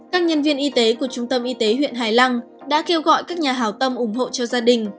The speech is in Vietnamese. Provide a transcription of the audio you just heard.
các nhân viên y tế của trung tâm y tế huyện hải lăng đã kêu gọi các nhà hào tâm ủng hộ cho gia đình